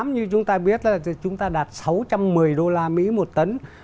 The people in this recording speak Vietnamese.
như chúng ta biết là chúng ta đạt sáu trăm một mươi đô la mỹ một tấn